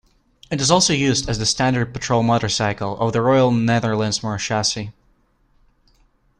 It is also used as the standard patrol motorcycle of the Royal Netherlands Marechaussee.